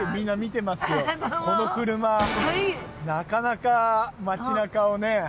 この車なかなか街なかをね